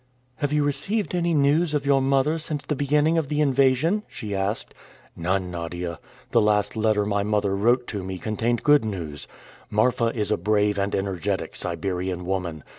"Have you received any news of your mother since the beginning of the invasion?" she asked. "None, Nadia. The last letter my mother wrote to me contained good news. Marfa is a brave and energetic Siberian woman.